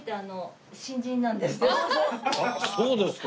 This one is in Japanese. あっそうですか！